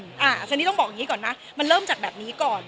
ผมจะบอกอย่างนี้ก่อนนะมันเริ่มจากแบบนี้ก่อน